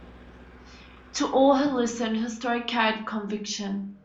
To all who listened, her story carried conviction.